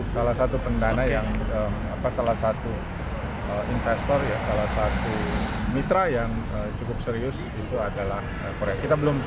salah satu pendana yang salah satu investor ya salah satu mitra yang cukup serius itu adalah korea